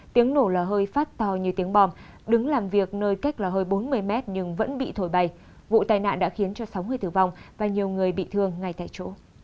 tiếng nổ lò hơi phát to như tiếng bom đứng làm việc nơi cách lò hơi bốn mươi m nhưng vẫn bị thổi bày vụ tai nạn đã khiến cho sáu người thử vong và nhiều người bị thương ngay tại chỗ